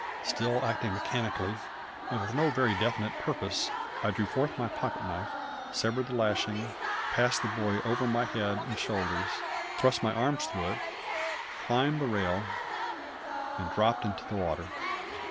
Still acting mechanically, and with no very definite purpose, I drew forth my pocket knife, severed the lashing, passed the buoy over my head and shoulders, thrust my arms through it, climbed the rail and dropped into the water.